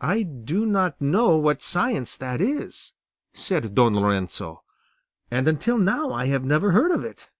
"I do not know what science that is," said Don Lorenzo, "and until now I have never heard of it."